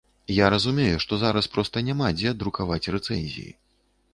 Я разумею, што зараз проста няма дзе друкаваць рэцэнзіі.